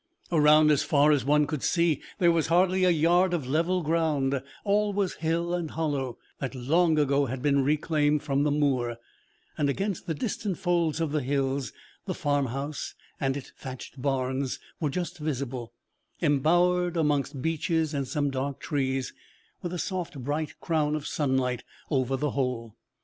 Around, as far as one could see, there was hardly a yard of level ground; all was hill and hollow, that long ago had been reclaimed from the moor; and against the distant folds of the hills the farmhouse and its thatched barns were just visible, embowered amongst beeches and some dark trees, with a soft bright crown of sunlight over the whole.